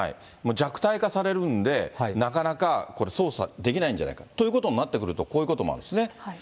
弱体化されるんで、なかなかこれ捜査できないんじゃないか、ということになってくると、こういうこともあるんですね。